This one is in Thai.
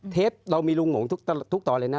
เทปเรามีลุงหงทุกตอนเลยนะ